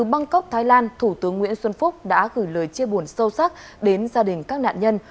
bangkok thái lan thủ tướng nguyễn xuân phúc đã gửi lời chia buồn sâu sắc đến gia đình các nạn nhân